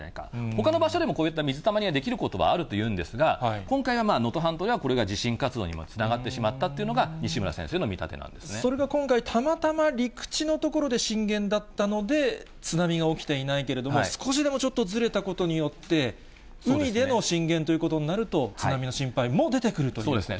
ほかの場所でもこういった水たまりが出来ることはあるというんですが、今回は能登半島ではこれが地震活動にもつながってしまったというのが、それが今回、たまたま陸地の所で震源だったので、津波が起きていないけれども、少しでもちょっとずれたことによって、海での震源ということになると、津波の心配も出てくるということですね。